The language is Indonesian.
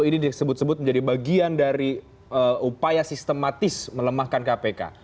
ini disebut sebut menjadi bagian dari upaya sistematis melemahkan kpk